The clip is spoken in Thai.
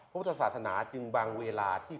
พระกษัตริย์ที่ทรงสถานในศาสนาพราหมิดู